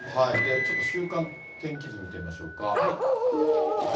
ちょっと週間天気図見てみましょうか。